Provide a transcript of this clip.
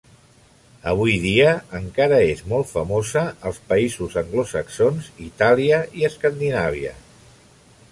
Avui dia encara és molt famosa als països anglosaxons, Itàlia i Escandinàvia.